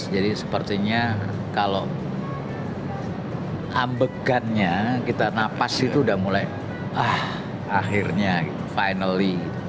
jadi sepertinya kalau ambekannya kita napas itu udah mulai ah akhirnya finally